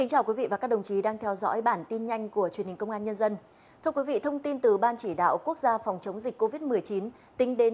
hãy đăng ký kênh để ủng hộ kênh của chúng mình nhé